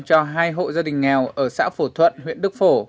cho hai hộ gia đình nghèo ở xã phổ thuận huyện đức phổ